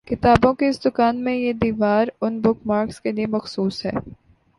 کتابوں کی اس دکان میں یہ دیوار اُن بک مارکس کےلیے مخصوص ہے